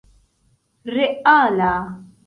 reala